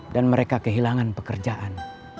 dan mereka kehilangan pekerjaan